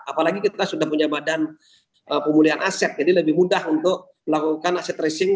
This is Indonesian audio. apalagi kita sudah punya badan pemulihan aset jadi lebih mudah untuk melakukan aset tracing